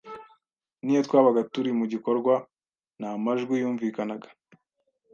niyo twabaga turi mu gikorwa ntamajwi yumvikanaga.